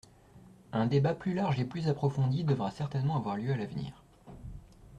Un débat plus large et plus approfondi devra certainement avoir lieu à l’avenir.